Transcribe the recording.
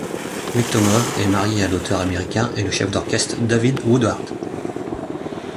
Vectomov est mariée à l'auteur américain et le chef d'orchestre David Woodard.